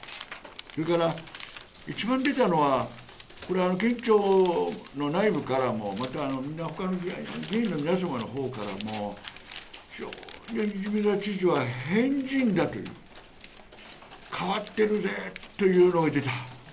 それから一番出たのは、県庁の内部からもまた他の議員の皆様の方からも泉田知事は変人だと、変わっているぜと言われてきた。